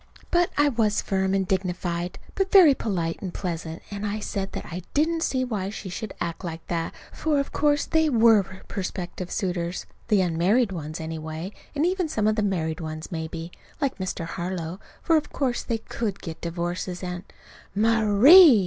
But I was firm and dignified but very polite and pleasant and I said that I didn't see why she should act like that, for of course they were prospective suitors, the unmarried ones, anyway, and even some of the married ones, maybe, like Mr. Harlow, for of course they could get divorces, and "Ma_rie_!"